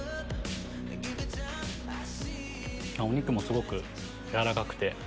お肉もすごく軟らかくて。